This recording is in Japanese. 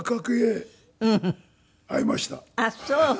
あっそう。